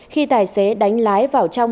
khi tài xế đánh lái vào trong